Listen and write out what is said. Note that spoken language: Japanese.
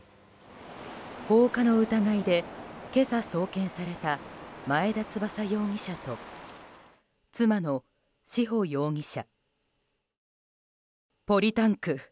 放火の疑いで今朝、送検された前田翼容疑者と妻の志保容疑者。